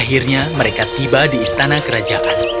akhirnya mereka tiba di istana kerajaan